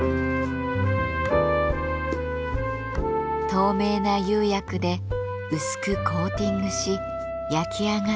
透明な釉薬で薄くコーティングし焼き上がった器。